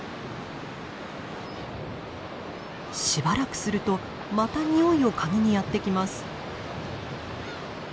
しばらくするとまたにおいを嗅ぎにやって来ます。